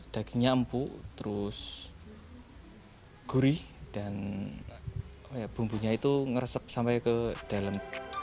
dagingnya empuk terus gurih dan bumbunya itu meresep sampai ke dalam